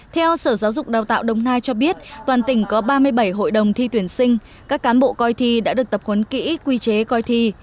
theo sở giáo dục đào tạo đồng nai cho biết toàn tỉnh có ba mươi bảy hội đồng thi tuyển sinh các cán bộ coi thi đã được tập huấn kỹ quy chế coi thi